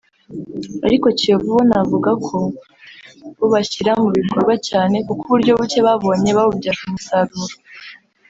Ariko Kiyovu bo navuga ko bo bashyira mu bikorwa cyane kuko uburyo bucye babonye babubyaje umusaruro